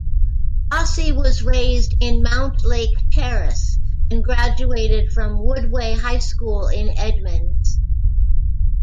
Rossi was raised in Mountlake Terrace and graduated from Woodway High School in Edmonds.